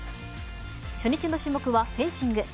初日の種目はフェンシング。